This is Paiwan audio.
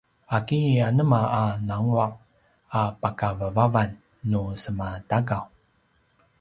’aki anema a nangua’ a pakavavavan nu semaTakaw?